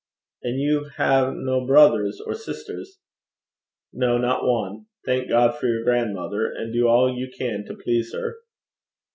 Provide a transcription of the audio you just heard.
'And you have no brothers or sisters?' 'No, not one. Thank God for your grandmother, and do all you can to please her.'